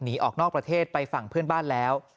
หนีออกนอกประเทศไปฝั่งเพื่อนบ้านแล้ว